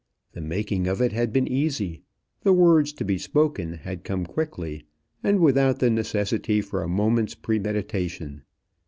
The making of it had been easy; the words to be spoken had come quickly, and without the necessity for a moment's premeditation.